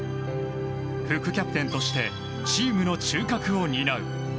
副キャプテンとしてチームの中核を担う。